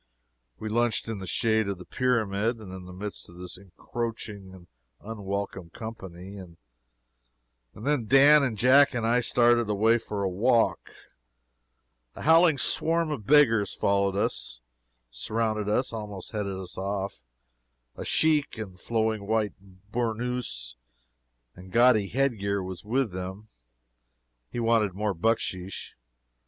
We lunched in the shade of the pyramid, and in the midst of this encroaching and unwelcome company, and then Dan and Jack and I started away for a walk. A howling swarm of beggars followed us surrounded us almost headed us off. A sheik, in flowing white bournous and gaudy head gear, was with them. He wanted more bucksheesh.